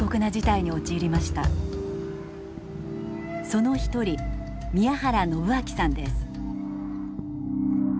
その一人宮原信晃さんです。